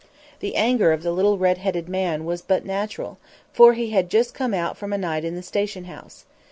The anger of the little red headed man was but natural, for he had just come out from a night in the station house.